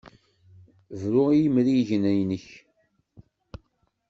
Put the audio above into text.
Bru i yimrigen-nnek!